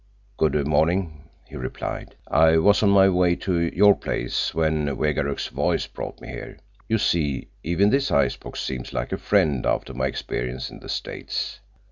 "Good morning," he replied. "I was on my way to your place when Wegaruk's voice brought me here. You see, even this icebox seems like a friend after my experience in the States.